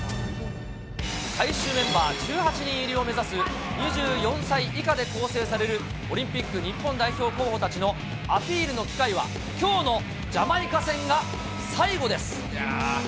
最終メンバー１８人入りを目指す２４歳以下で構成されるオリンピック日本代表候補たちのアピールの機会は、きょうのジャマイカ戦が最後です。